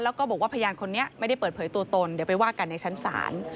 แล้วก็บอกว่าพยานคนนี้ไม่ได้เปิดเผยตัวตนเดี๋ยวไปว่ากันในชั้นศาล